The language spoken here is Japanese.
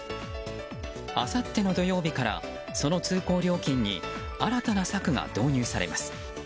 あさっての土曜日からその通行料金に新たな策が導入されます。